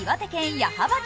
矢巾町。